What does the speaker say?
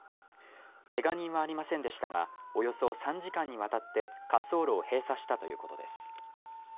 けが人はありませんでしたがおよそ３時間にわたって滑走路を閉鎖したということです。